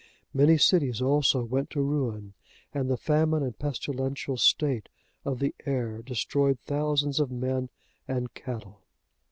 Many cities also went to ruin, and the famine and pestilential state of the air destroyed thousands of men and cattle.